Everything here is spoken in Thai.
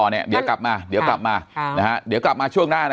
ให้หลานตลอดใช่ไหมค่ะ